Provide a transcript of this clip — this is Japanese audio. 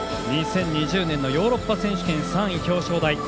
２０２０年のヨーロッパ選手権３位表彰台。